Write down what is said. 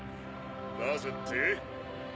なぜって？